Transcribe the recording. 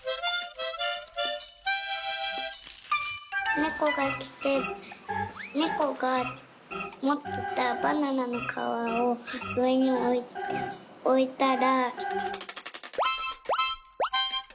「ネコがきてネコがもってたバナナのかわをうえにおいたら」。